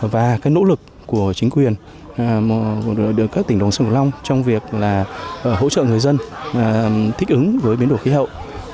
và nỗ lực của chính quyền các tỉnh đồng sông kiều long trong việc hỗ trợ người dân thích ứng với biến đổi khí hậu